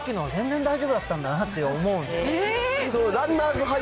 いやいや、さっきのは全然大丈夫だったんだなって思うんですよ。